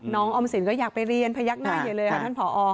ออมสินก็อยากไปเรียนพยักหน้าใหญ่เลยค่ะท่านผอ